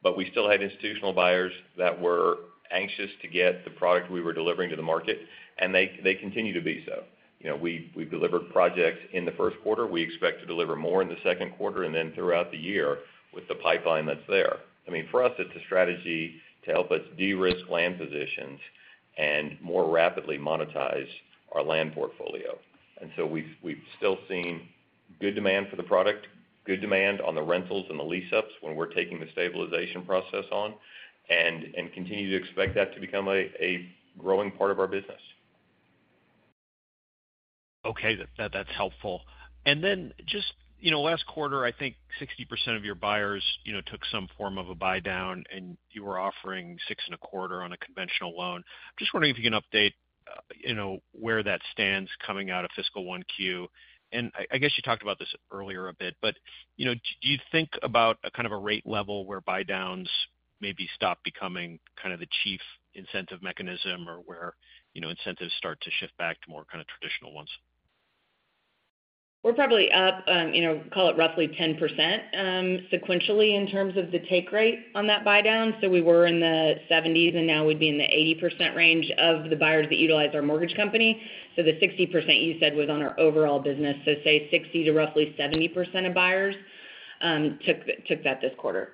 But we still had institutional buyers that were anxious to get the product we were delivering to the market, and they continue to be so. You know, we've delivered projects in the first quarter. We expect to deliver more in the second quarter and then throughout the year with the pipeline that's there. I mean, for us, it's a strategy to help us de-risk land positions and more rapidly monetize our land portfolio. And so we've still seen good demand for the product, good demand on the rentals and the lease-ups when we're taking the stabilization process on, and continue to expect that to become a growing part of our business. Okay, that, that's helpful. And then just, you know, last quarter, I think 60% of your buyers, you know, took some form of a buydown, and you were offering 6.25 on a conventional loan. Just wondering if you can update, you know, where that stands coming out of fiscal 1Q. And I guess you talked about this earlier a bit, but, you know, do you think about a kind of a rate level where buydowns maybe stop becoming kind of the chief incentive mechanism, or where, you know, incentives start to shift back to more kind of traditional ones? We're probably up, you know, call it roughly 10%, sequentially, in terms of the take rate on that buydown. So we were in the 70%s, and now we'd be in the 80% range of the buyers that utilize our mortgage company. So the 60% you said was on our overall business. So say 60%-roughly, 70% of buyers took that this quarter.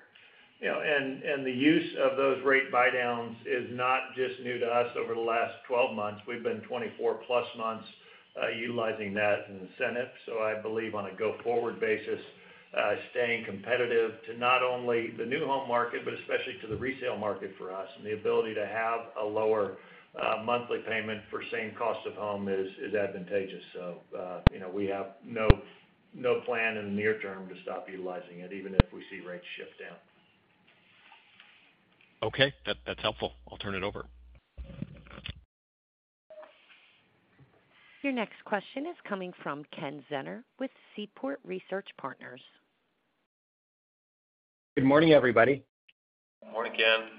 You know, and, and the use of those rate buydowns is not just new to us over the last 12 months. We've been 24+ months utilizing that in the Sunbelt. So I believe on a go-forward basis, staying competitive to not only the new home market, but especially to the resale market for us, and the ability to have a lower monthly payment for same cost of home is advantageous. So, you know, we have no plan in the near term to stop utilizing it, even if we see rates shift down. Okay, that's helpful. I'll turn it over. Your next question is coming from Ken Zener with Seaport Research Partners. Good morning, everybody. Good morning, Ken.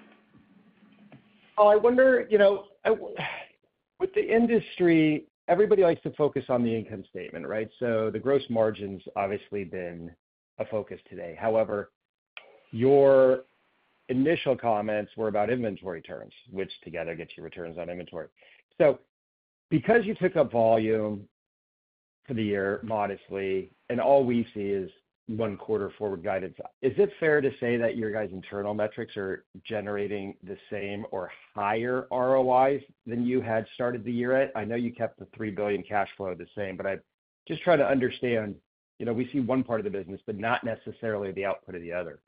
I wonder, you know, with the industry, everybody likes to focus on the income statement, right? So the gross margin's obviously been a focus today. However, your initial comments were about inventory turns, which together gets you returns on inventory. So because you took up volume for the year modestly, and all we see is one quarter forward guidance, is it fair to say that your guys' internal metrics are generating the same or higher ROIs than you had started the year at? I know you kept the $3 billion cash flow the same, but I'm just trying to understand, you know, we see one part of the business, but not necessarily the output of the other.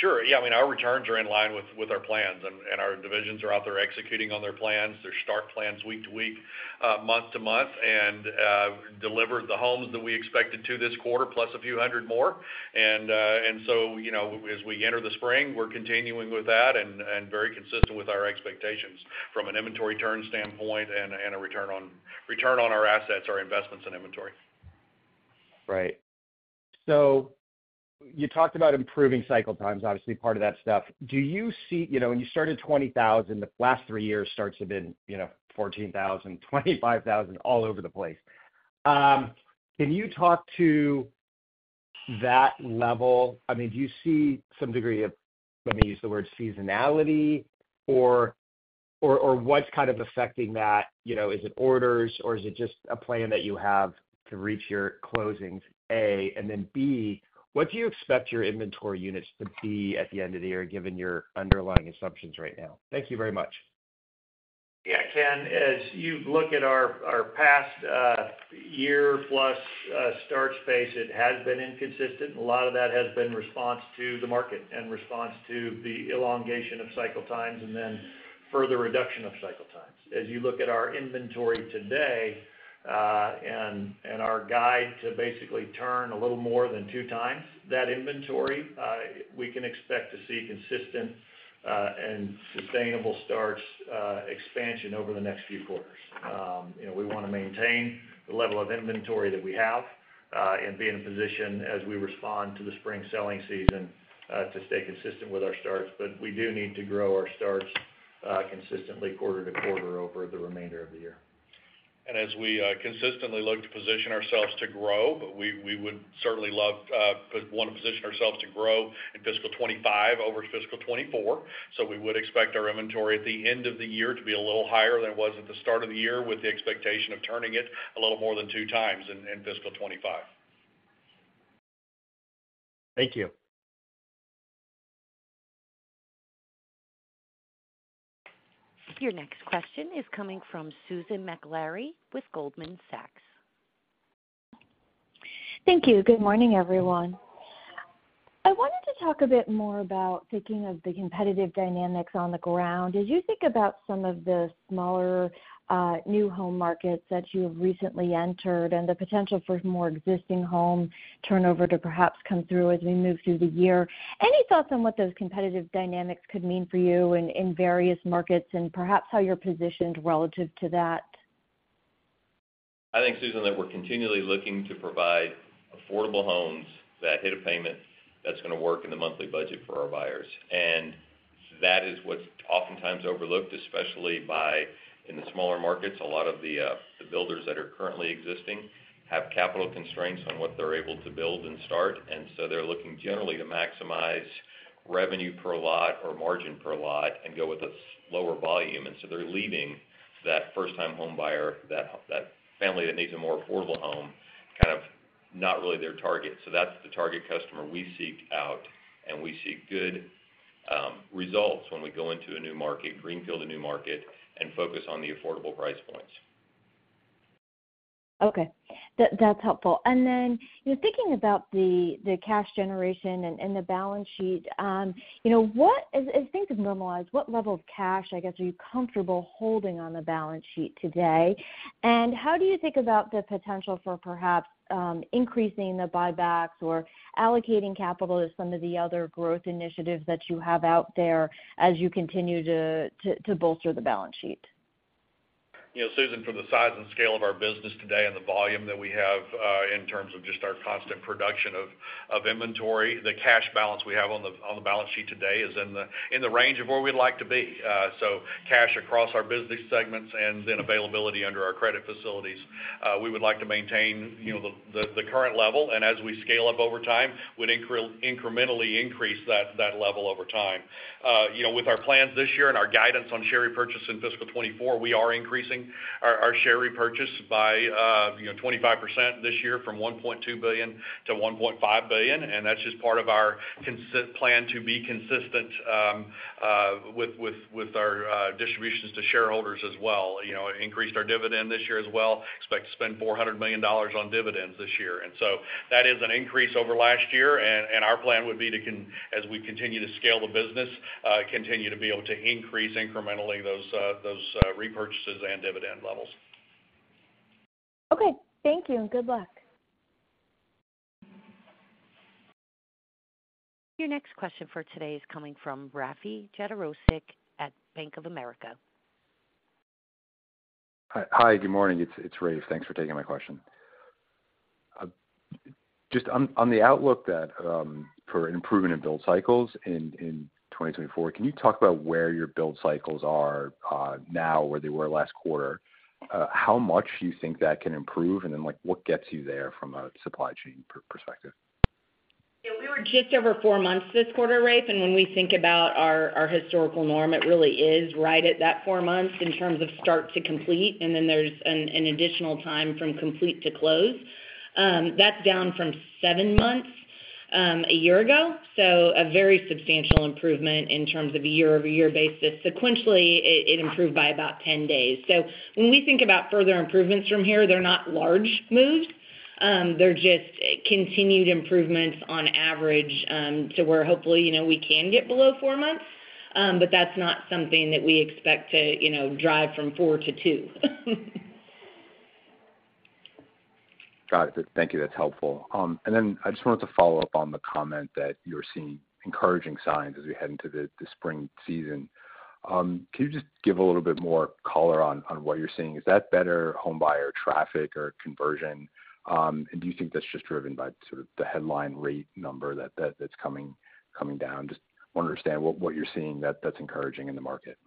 Sure. Yeah, I mean, our returns are in line with our plans, and, and our divisions are out there executing on their plans, their start plans, week to week, month to month, and, delivered the homes that we expected to this quarter, plus a few hundred more. And, and so, you know, as we enter the spring, we're continuing with that and, and very consistent with our expectations from an inventory turn standpoint and, and return on our assets, or investments in inventory. Right. So you talked about improving cycle times, obviously, part of that stuff. You know, when you started 20,000, the last three years, starts have been, you know, 14,000, 25,000, all over the place. Can you talk to that level? I mean, do you see some degree of, let me use the word, seasonality, or what's kind of affecting that? You know, is it orders, or is it just a plan that you have to reach your closings, A? And then B, what do you expect your inventory units to be at the end of the year given your underlying assumptions right now? Thank you very much. Yeah, Ken, as you look at our past, year-plus, start pace, it has been inconsistent. A lot of that has been in response to the market and response to the elongation of cycle times and then further reduction of cycle times. As you look at our inventory today, and our guide to basically turn a little more than 2x that inventory, we can expect to see consistent, and sustainable starts, expansion over the next few quarters. You know, we want to maintain the level of inventory that we have, and be in a position as we respond to the spring selling season, to stay consistent with our starts. But we do need to grow our starts consistently quarter to quarter over the remainder of the year. As we consistently look to position ourselves to grow, but we would certainly love, want to position ourselves to grow in fiscal 2025 over fiscal 2024. We would expect our inventory at the end of the year to be a little higher than it was at the start of the year, with the expectation of turning it a little more than 2x in fiscal 2025. Thank you. Your next question is coming from Susan Maklari with Goldman Sachs. Thank you. Good morning, everyone. I wanted to talk a bit more about thinking of the competitive dynamics on the ground. As you think about some of the smaller, new home markets that you have recently entered and the potential for more existing home turnover to perhaps come through as we move through the year, any thoughts on what those competitive dynamics could mean for you in various markets and perhaps how you're positioned relative to that? I think, Susan, that we're continually looking to provide affordable homes that hit a payment that's going to work in the monthly budget for our buyers. That is what's oftentimes overlooked, especially in the smaller markets. A lot of the builders that are currently existing have capital constraints on what they're able to build and start, and so they're looking generally to maximize revenue per lot or margin per lot and go with a lower volume. And so they're leaving that first-time home buyer, that family that needs a more affordable home, kind of not really their target. So that's the target customer we seek out, and we see good results when we go into a new market, greenfield a new market, and focus on the affordable price points. Okay, that's helpful. And then, you know, thinking about the cash generation and the balance sheet, you know, what level of cash, I guess, are you comfortable holding on the balance sheet today? And how do you think about the potential for perhaps increasing the buybacks or allocating capital to some of the other growth initiatives that you have out there as you continue to bolster the balance sheet? You know, Susan, from the size and scale of our business today and the volume that we have in terms of just our constant production of inventory. The cash balance we have on the balance sheet today is in the range of where we'd like to be. So cash across our business segments and then availability under our credit facilities, we would like to maintain, you know, the current level, and as we scale up over time, we'd incrementally increase that level over time. You know, with our plans this year and our guidance on share repurchase in fiscal 2024, we are increasing our share repurchase by, you know, 25% this year from $1.2 billion to $1.5 billion, and that's just part of our consistent plan to be consistent with our distributions to shareholders as well. You know, increased our dividend this year as well, expect to spend $400 million on dividends this year. And so that is an increase over last year, and our plan would be to continue as we continue to scale the business, continue to be able to increase incrementally those repurchases and dividend levels. Okay. Thank you, and good luck. Your next question for today is coming from Rafe Jadrosich at Bank of America. Hi. Good morning. It's Rafe. Thanks for taking my question. Just on the outlook for improvement in build cycles in 2024, can you talk about where your build cycles are now, where they were last quarter? How much do you think that can improve, and then, like, what gets you there from a supply chain perspective? Yeah, we were just over four months this quarter, Rafe, and when we think about our historical norm, it really is right at that four months in terms of start to complete, and then there's an additional time from complete to close. That's down from seven months a year ago, so a very substantial improvement in terms of a year-over-year basis. Sequentially, it improved by about 10 days. So when we think about further improvements from here, they're not large moves, they're just continued improvements on average, so we're hopefully, you know, we can get below four months, but that's not something that we expect to, you know, drive from four to two. Got it. Thank you. That's helpful. And then I just wanted to follow up on the comment that you're seeing encouraging signs as we head into the spring season. Can you just give a little bit more color on what you're seeing? Is that better home buyer traffic or conversion? And do you think that's just driven by sort of the headline rate number that's coming down? Just want to understand what you're seeing that's encouraging in the market.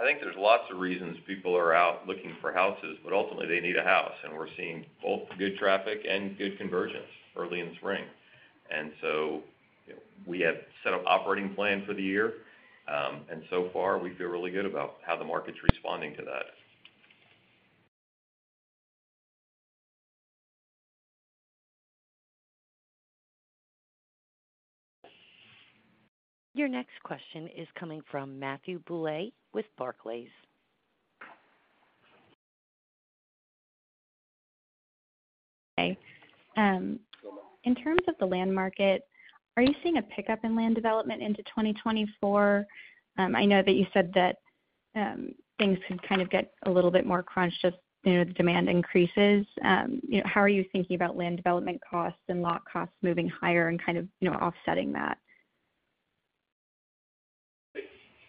I think there's lots of reasons people are out looking for houses, but ultimately, they need a house, and we're seeing both good traffic and good conversions early in spring. And so, you know, we have set up operating plan for the year, and so far, we feel really good about how the market's responding to that. Your next question is coming from Matthew Bouley with Barclays. In terms of the land market, are you seeing a pickup in land development into 2024? I know that you said that things could kind of get a little bit more crunched as, you know, the demand increases. You know, how are you thinking about land development costs and lot costs moving higher and kind of, you know, offsetting that?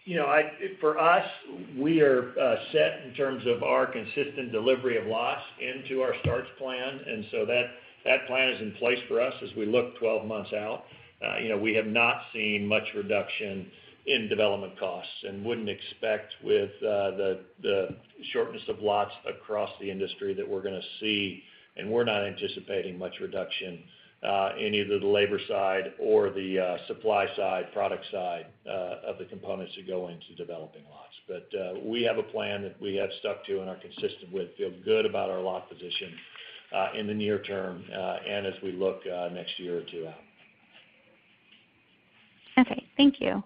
You know, for us, we are set in terms of our consistent delivery of lots into our starts plan, and so that plan is in place for us as we look 12 months out. You know, we have not seen much reduction in development costs and wouldn't expect with the shortness of lots across the industry that we're gonna see, and we're not anticipating much reduction in either the labor side or the supply side, product side, of the components that go into developing lots. But we have a plan that we have stuck to and are consistent with, feel good about our lot position in the near term, and as we look next year or two out. Okay. Thank you.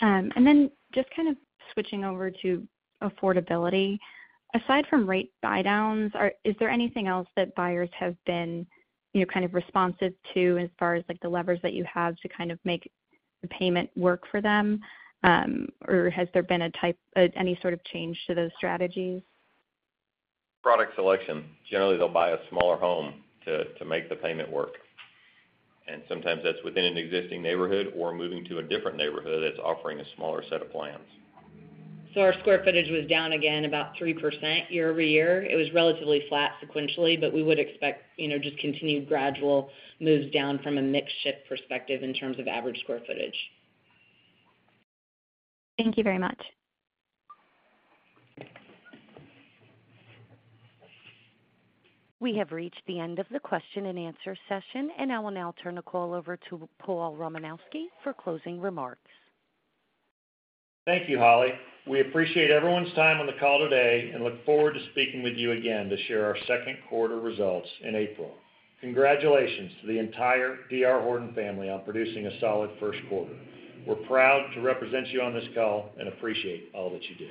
And then just kind of switching over to affordability. Aside from rate buydowns, is there anything else that buyers have been, you know, kind of responsive to as far as, like, the levers that you have to kind of make the payment work for them? Or has there been any sort of change to those strategies? Product selection. Generally, they'll buy a smaller home to make the payment work, and sometimes that's within an existing neighborhood or moving to a different neighborhood that's offering a smaller set of plans. So our square footage was down again about 3% year-over-year. It was relatively flat sequentially, but we would expect, you know, just continued gradual moves down from a mix shift perspective in terms of average square footage. Thank you very much. We have reached the end of the question and answer session, and I will now turn the call over to Paul Romanowski for closing remarks. Thank you, Holly. We appreciate everyone's time on the call today and look forward to speaking with you again to share our second quarter results in April. Congratulations to the entire DR Horton family on producing a solid first quarter. We're proud to represent you on this call and appreciate all that you do.